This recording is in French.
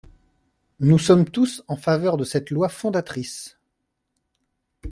Nous sommes tous en faveur de cette loi fondatrice.